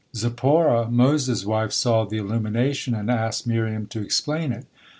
Zipporah, Moses' wife, saw the illumination, and asked Miriam to explain it.